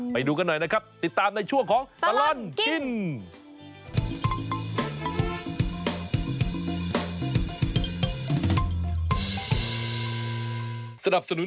ไปดูกันหน่อยนะครับติดตามในช่วงของตลอดกิน